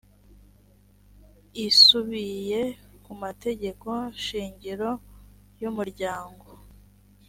isubiye ku mategeko shingiro y’umuryango